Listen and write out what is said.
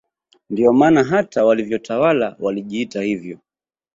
Ndio maana hata walivyotawala walijiita hivyo